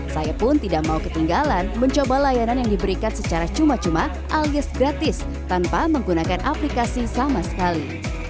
saya pun tidak mau ketinggalan mencoba layanan yang diberikan secara cuma cuma alias gratis tanpa menggunakan aplikasi sama sekali